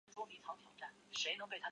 跟他们坐同路线